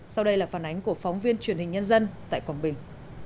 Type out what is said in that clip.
sau đây là phản ánh của phóng viên truyền hình nhân dân tại quảng bình